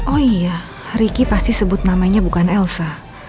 oh iya riki pasti sebut namanya bukan elsa